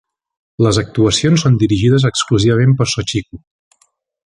Les actuacions són dirigides exclusivament per Shochiku.